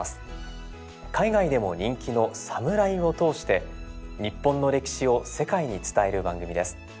海外でも人気の「サムライ」を通して日本の歴史を世界に伝える番組です。